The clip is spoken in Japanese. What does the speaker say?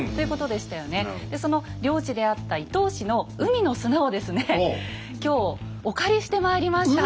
でその領地であった伊東市の海の砂をですね今日お借りしてまいりました。